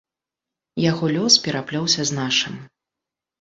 Яго лёс пераплёўся з нашым.